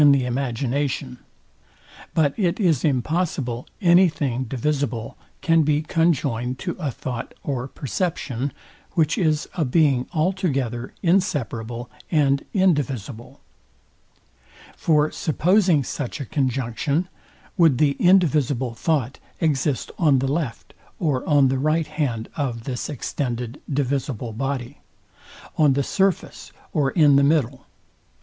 But it is impossible anything divisible can be conjoined to a thought or perception, which is a being altogether inseparable and indivisible. For supposing such a conjunction, would the indivisible thought exist on the left or on the right hand of this extended divisible body? On the surface or in the middle?